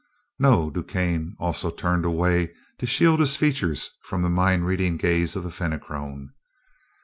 "No." DuQuesne also turned away, to shield his features from the mind reading gaze of the Fenachrone.